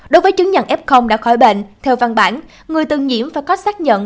đối với chứng nhận f đã khỏi bệnh theo văn bản người từng nhiễm phải có xác nhận